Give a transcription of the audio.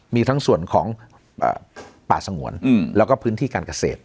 มีทั้งส่วนของป่าสงวนแล้วก็พื้นที่การเกษตร